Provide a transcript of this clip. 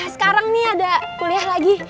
sekarang nih ada kuliah lagi